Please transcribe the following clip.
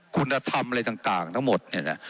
คุณธรรมอะไรต่างทั้งหมด